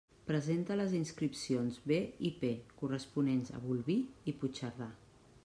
Presenta les inscripcions B i P corresponents a Bolvir i Puigcerdà.